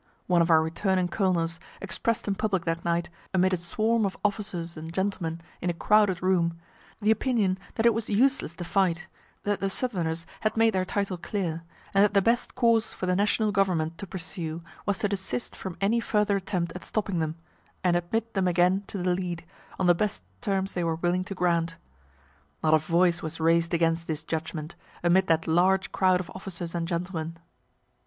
One of our returning colonels express'd in public that night, amid a swarm of officers and gentlemen in a crowded room, the opinion that it was useless to fight, that the southerners had made their title clear, and that the best course for the national government to pursue was to desist from any further attempt at stopping them, and admit them again to the lead, on the best terms they were willing to grant. Not a voice was rais'd against this judgment, amid that large crowd of officers and gentlemen.